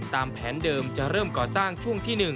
ตามแผนเดิมจะเริ่มก่อสร้างช่วงที่๑